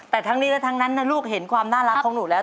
แต่ทั้งนี้และทั้งนั้นนะลูกเห็นความน่ารักของหนูแล้ว